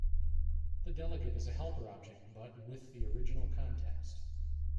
The delegate is a helper object, but "with the original context".